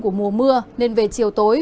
của mùa mưa nên về chiều tối